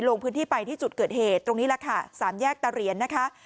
ลงพื้นที่ไปที่จุดเกิดเหตุตรงนี้แหละค่ะสามแยกตะเรียนนะคะ